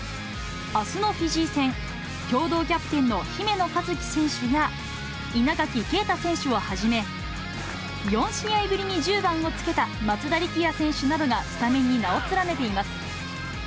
あすのフィジー戦、共同キャプテンの姫野和樹選手や、稲垣啓太選手をはじめ、４試合ぶりに１０番をつけた松田力也選手などがスタメンに名を連ねています。